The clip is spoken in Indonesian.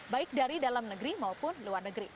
baik dari dalam negeri maupun luar negeri